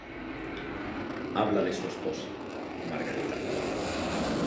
Habla de su esposa, Margarita Zavala.